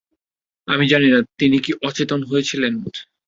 আমি জানি না, তিনি কি অচেতন হয়েছিলেন?